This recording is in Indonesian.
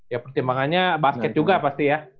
ya pertimbangannya basket juga pasti ya